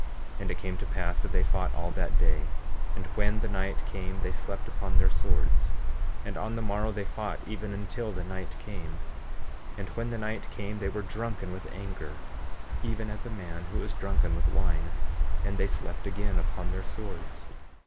15:20 And it came to pass that they fought all that day, and when the night came they slept upon their swords. 15:21 And on the morrow they fought even until the night came. 15:22 And when the night came they were drunken with anger, even as a man who is drunken with wine; and they slept again upon their swords.